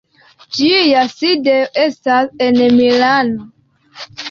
Ĝia sidejo estas en Milano.